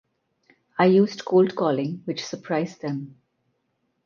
I used cold calling, which surprised them